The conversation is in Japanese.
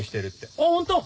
あっ本当？